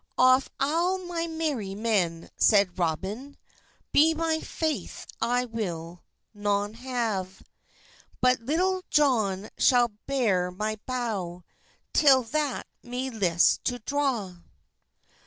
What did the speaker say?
"Off alle my mery men," seid Robyne, "Be my feithe I wil non haue; But Litulle Johne shall beyre my bow Til that me list to drawe."